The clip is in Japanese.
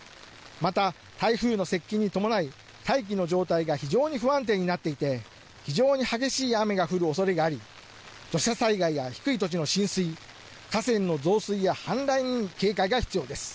また台風の接近に伴い、大気の状態が非常に不安定になっていて、非常に激しい雨が降るおそれがあり、土砂災害や低い土地の浸水、河川の増水や氾濫に警戒が必要です。